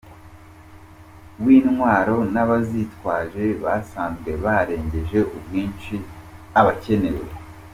w’intwaro n’abazitwaje basanzwe barengeje ubwinshi abakenewe.